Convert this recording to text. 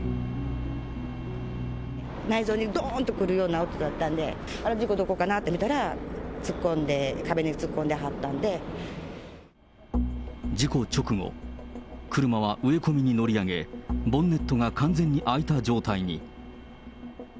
内臓にどーんとくるような音だったんで、あれ、事故どこかなって見たら、事故直後、車は植え込みに乗り上げ、ボンネットが完全に開いた状態に。